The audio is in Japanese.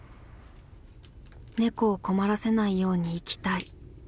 「猫を困らせないように生きたい」。